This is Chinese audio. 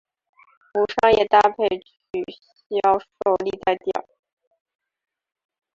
无商业搭配曲销售历代第二。